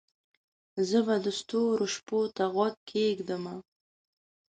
زه به د ستورو شپو ته غوږ کښېږدمه